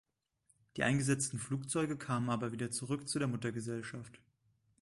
Die eingesetzten Flugzeuge kamen aber wieder zurück zu der Muttergesellschaft.